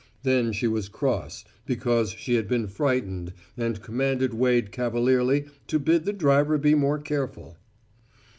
Then she was cross, because she had been frightened, and commanded Wade cavalierly to bid the driver be more careful.